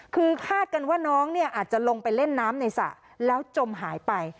คือคาดกันว่าน้องเนี่ยอาจจะลงไปเล่นน้ำในสระแล้วจมหายไป